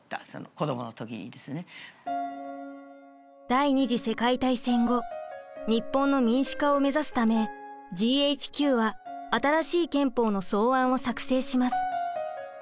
第２次世界大戦後日本の民主化を目指すためＧＨＱは新しい憲法の草案を作成します。